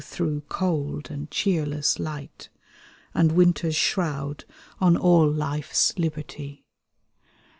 Through cold and cheerless light. And winter's shroud on all life's liberty.